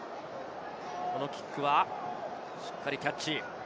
このキックはしっかりキャッチ。